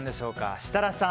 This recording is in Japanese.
設楽さん